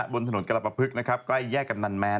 บนถนนกระปะพึกใกล้แยกกับนันแมน